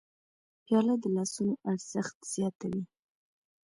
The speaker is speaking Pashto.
پیاله د لاسونو ارزښت زیاتوي.